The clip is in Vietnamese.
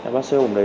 bắt xe hồn đấy